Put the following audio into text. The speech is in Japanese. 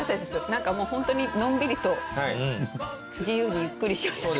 何かもうホントにのんびりと自由にゆっくりしました。